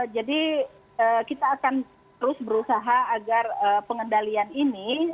jadi kita akan terus berusaha agar pengendalian ini